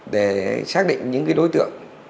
để xác định những cái đối tượng